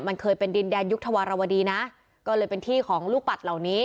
มันเคยเป็นดินแดนยุคธวรวดีนะก็เลยเป็นที่ของลูกปัดเหล่านี้